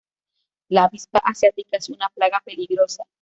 La avispa asiática es una plaga peligrosa